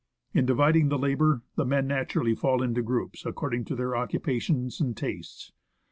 In dividing the labour, the men naturally fall into groups according to their occupa tions and tastes.